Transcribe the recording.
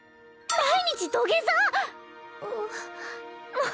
毎日土下座⁉あっ。